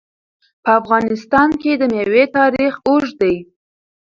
په افغانستان کې د مېوې تاریخ اوږد دی.